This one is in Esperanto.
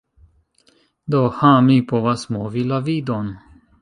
Do... ha mi povas movi la vidon.